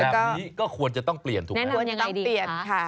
ก็ควรจะต้องเปลี่ยนแนะนำอย่างไรดี